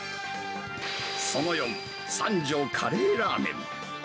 その４、三条カレーラーメン。